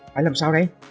phải làm sao đây